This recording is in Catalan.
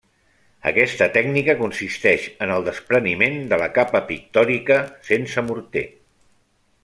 Aquesta tècnica consisteix en el despreniment de la capa pictòrica sense morter.